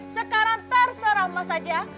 sekarang terserah mas aja